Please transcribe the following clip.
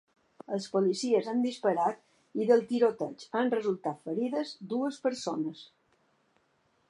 Els policies han disparat i del tiroteig han resultat ferides dues persones.